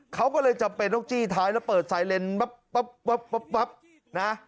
เขาก็เลยจะเปิดล็อคจี้ท้ายแล้วเปิดไซเรนปับปับปับปับนะ